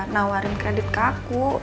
nawarin kredit ke aku